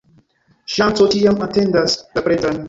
Ŝanco ĉiam atendas la pretan.